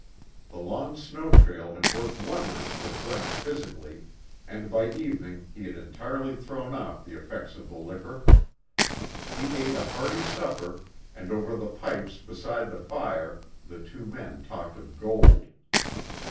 The long snow trail had worked wonders for Brent physically, and by evening he had entirely thrown off the effects of the liquor. He ate a hearty supper, and over the pipes beside the fire the two men talked of gold.